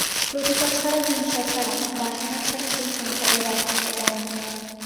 প্রতিকার ছাড়া, হিংসা ছাড়া, বাসনা ছাড়া কেউ সংসারে বাস করতে পারে না।